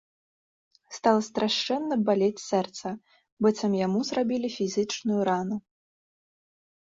Стала страшэнна балець сэрца, быццам яму зрабілі фізічную рану.